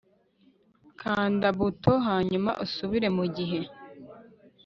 kanda buto hanyuma usubire mugihe